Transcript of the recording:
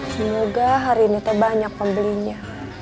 semoga hari ini saya banyak pembelinya